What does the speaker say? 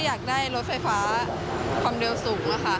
อยากได้รถไฟฟ้าความเร็วสูงค่ะ